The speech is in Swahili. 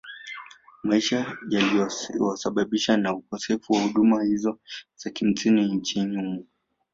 Maisha yaliyosababishwa na ukosefu wa huduma hizo za msingi nchini humo